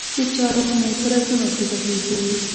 دچا روح مي په رګونو کي بهیږي